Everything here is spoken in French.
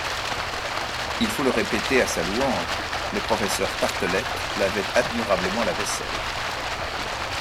Il faut le répéter à sa louange, le professeur Tartelett lavait admirablement la vaisselle.